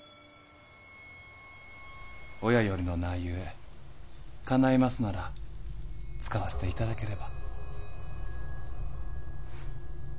親よりの名ゆえかないますなら使わせて頂ければ。